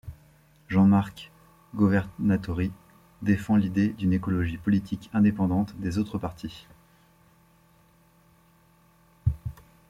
Jean-Marc Governatori défend l'idée d'une écologie politique indépendante des autres partis.